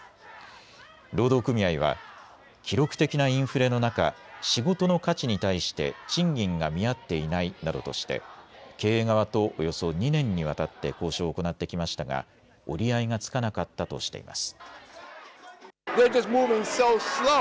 労働組合は記録的なインフレの中、仕事の価値に対して賃金が見合っていないなどとして経営側とおよそ２年にわたって交渉を行ってきましたが折り合いがつかなかったとしています。